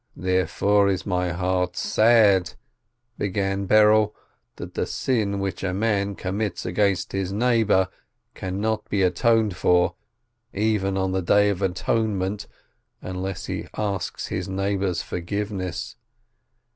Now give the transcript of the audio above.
"Therefore is my heart sad," began Berel, "that the sin which a man commits against his neighbor cannot be atoned for even on the Day of Atonement, unless he asks his neighbor's forgiveness